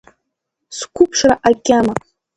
Сқәыԥшра агьама…